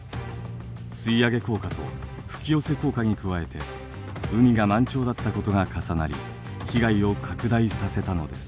吸い上げ効果と吹き寄せ効果に加えて海が満潮だったことが重なり被害を拡大させたのです。